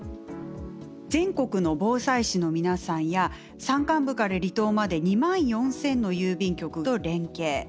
全国の防災士の皆さんや山間部から離島まで２万４，０００の郵便局と連携。